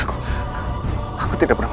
aku akan menang